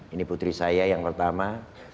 ini putri saya yang pertama